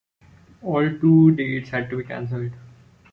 All tour dates had to be cancelled.